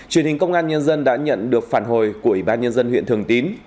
truyền hình công an nhân dân đã nhận được phản hồi của ủy ban nhân dân huyện thường tín